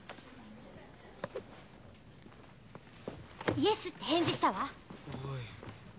イエスって返事したわおい